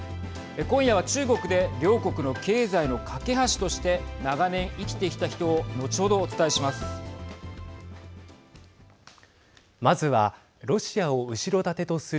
今夜は中国で両国の経済の懸け橋として長年生きてきた人を後ほどお伝えします。